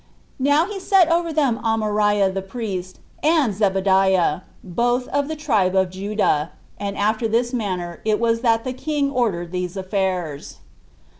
Now he set over them Amariah the priest, and Zebadiah, [both] of the tribe of Judah; and after this manner it was that the king ordered these affairs.